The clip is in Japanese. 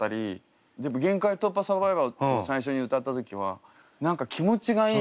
でも「限界突破×サバイバー」っていう最初に歌った時は何か気持ちがいい。